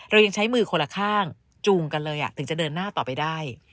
เรายังใช้มือคนละข้างจูงกันเลยถึงจะเดินหน้าต่อไปได้